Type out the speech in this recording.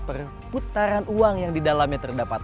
perputaran uang yang didalamnya terdapat